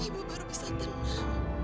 ibu baru bisa tenang